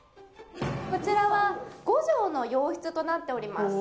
こちらは５畳の洋室となっております。